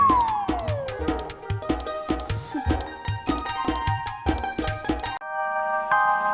belum ga film